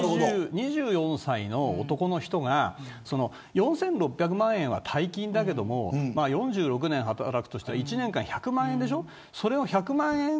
２４歳の男の人が４６００万円は大金だけども４６年働くとしたら１年間１００万円でしょ。